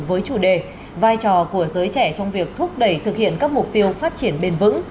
với chủ đề vai trò của giới trẻ trong việc thúc đẩy thực hiện các mục tiêu phát triển